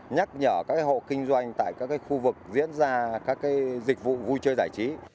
nhắc nhở các hộ kinh doanh tại các khu vực diễn ra các dịch vụ vui chơi giải trí